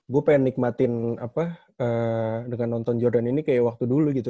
gue pengen nikmatin apa dengan nonton jordan ini kayak waktu dulu gitu